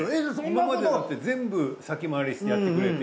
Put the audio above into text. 今までだって全部先回りしてやってくれて。